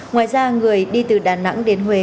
ngoài ra người đi từ đà nẵng đến huế